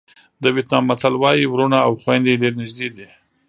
د وېتنام متل وایي وروڼه او خویندې ډېر نږدې دي.